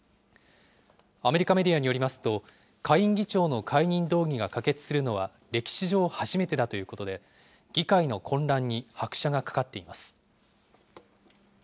アメリカメディアによりますと、下院議長の解任動議が可決するのは歴史上初めてだということで、議会の混乱に拍車がかかっています。